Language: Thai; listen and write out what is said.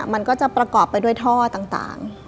มันก็จะประกอบไปด้วยท่อต่าง